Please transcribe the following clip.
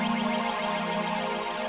gak ada yang bisa dihukum